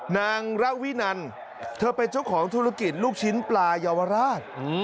นางระวินันเธอเป็นเจ้าของธุรกิจลูกชิ้นปลาเยาวราช